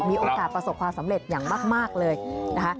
มีโอกาสประสบความสำเร็จอย่างมากเลยนะคะ